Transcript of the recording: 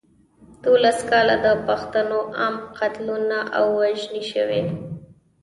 دولس کاله د پښتنو عام قتلونه او وژنې وشوې.